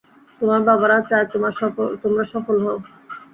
তোমার বাবারা চায় তোমরা সফল হও।